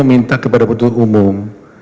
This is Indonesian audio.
saya mau minta kepada betul umum